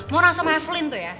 mau nang sama evelyn tuh ya